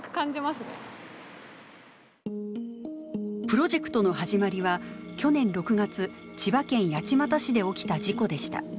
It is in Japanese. プロジェクトの始まりは去年６月千葉県八街市で起きた事故でした。